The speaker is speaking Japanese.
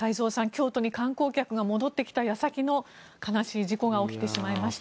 京都に観光客が戻ってきた矢先の悲しい事故が起きてしまいました。